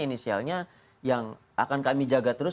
inisialnya yang akan kami jaga terus